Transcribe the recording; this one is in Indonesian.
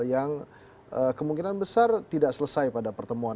yang kemungkinan besar tidak selesai pada pertemuan